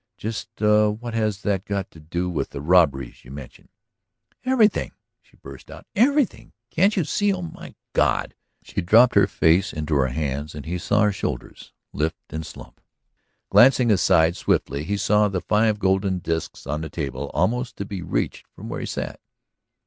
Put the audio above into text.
"Just what has that got to do with the robberies you mention?" "Everything!" she burst out. "Everything! Can't you see? Oh, my God!" She dropped her face into her hands and he saw her shoulders lift and slump. Glancing aside swiftly, he saw the five golden disks on the table, almost to be reached from where he sat.